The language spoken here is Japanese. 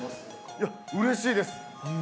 いや、うれしいです。